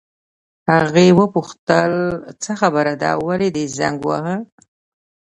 هغې وپوښتل: څه خبره ده، ولې دې زنګ وواهه؟